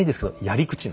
やり口！